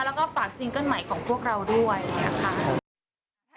แล้วก็ฝากซิงเกิ้ลใหม่ของพวกเราด้วยนะคะ